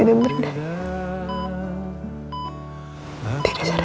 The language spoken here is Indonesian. aku masih di tempatmu